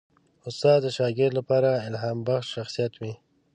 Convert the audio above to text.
استاد د شاګرد لپاره الهامبخش شخصیت وي.